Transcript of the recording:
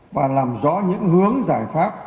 và làm rõ những hướng giải pháp